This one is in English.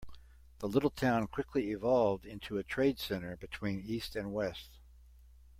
The little town quickly evolved into a trade center between east and west.